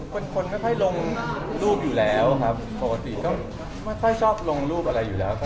คนคนไม่ค่อยลงรูปอยู่แล้วครับปกติก็ไม่ค่อยชอบลงรูปอะไรอยู่แล้วครับ